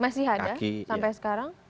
masih ada sampai sekarang